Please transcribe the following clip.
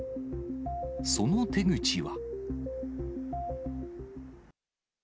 その手口は。